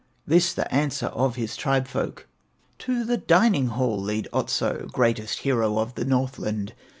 This the answer of his tribe folk: "To the dining hall lead Otso, Greatest hero of the Northland.